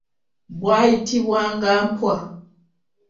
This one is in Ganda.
Bwayitibwanga mpwa.